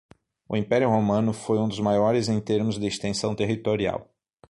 O Império Romano foi um dos maiores em termos de extensão territorial